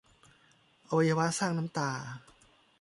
อวัยวะสร้างน้ำตา